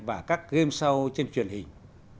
và các game show trên truyền hình